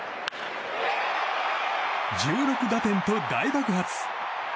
１６打点と大爆発。